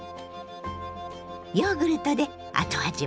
ヨーグルトで後味はさっぱり。